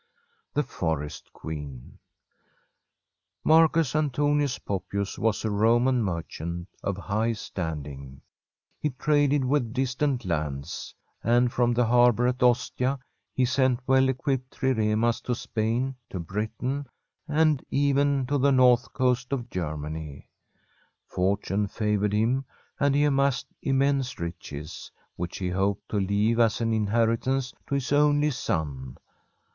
T^he Forest Queen Marcus Antonius Poppius was a Roman merchant of high standing. He traded with dis tant lands; and from the harbour at Ostia he sent well equipped triremas to Spain, to Britain, and even to the north coast of Germany. Fort une favoured him, and he amassed immense riches, which he hoped to leave as an inheritance to his only son.